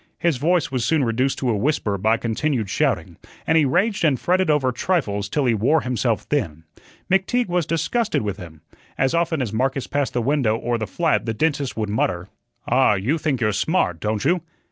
His voice was soon reduced to a whisper by continued shouting, and he raged and fretted over trifles till he wore himself thin. McTeague was disgusted with him. As often as Marcus passed the window of the flat the dentist would mutter: "Ah, you think you're smart, don't you?"